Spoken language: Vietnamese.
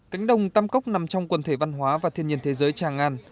cánh đồng tam cốc nằm trong quần thể văn hóa và thiên nhiên thế giới tràng an